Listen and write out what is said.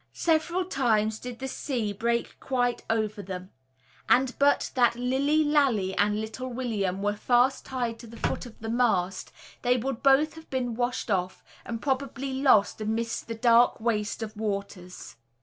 Several times did the sea break quite over them; and but that Lilly Lalee and little William were fast tied to the foot of the mast, they would both have been washed off, and probably lost amidst the dark waste of waters.